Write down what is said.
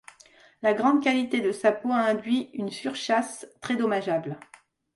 La grande qualité de sa peau a induit une surchasse très dommageable.